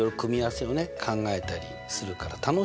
考えたりするから楽しいんですよ。